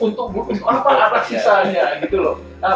untuk apa arah sisanya gitu loh